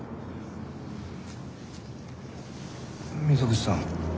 溝口さん